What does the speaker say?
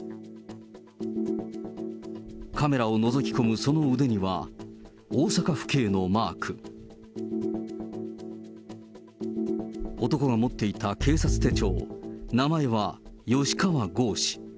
カメラをのぞき込むその腕には、大阪府警のマーク。男が持っていた警察手帳、名前は吉川剛司。